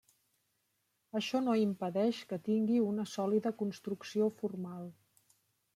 Això no impedeix que tingui una sòlida construcció formal.